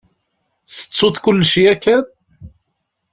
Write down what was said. Tettuḍ kullec yakan?